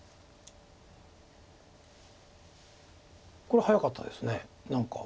これ早かったです何か。